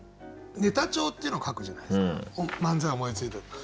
ネタ帳っていうのを書くじゃないですか漫才思いついた時。